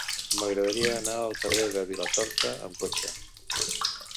M'agradaria anar al carrer de Vilatorta amb cotxe.